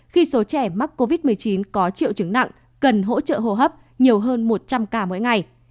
khi số trẻ mắc covid một mươi chín có triệu chứng nặng cần hỗ trợ hồ hấp nhiều hơn một trăm linh ca mỗi ngày